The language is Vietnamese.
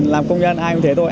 làm công nhân ai cũng thế thôi